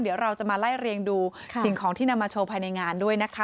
เดี๋ยวเราจะมาไล่เรียงดูสิ่งของที่นำมาโชว์ภายในงานด้วยนะคะ